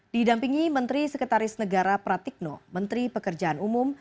didampingi menteri sekretaris negara pratikno menteri pekerjaan umum